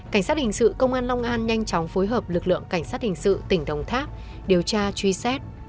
cảnh sát hình sự công an long an nhanh chóng phối hợp lực lượng cảnh sát hình sự tỉnh đồng tháp điều tra truy xét